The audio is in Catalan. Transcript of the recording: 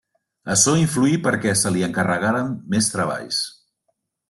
Açò influí perquè se li encarregaren més treballs.